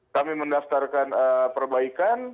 kami mendaftarkan perbaikan